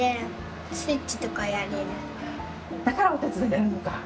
だからお手伝いやるのか。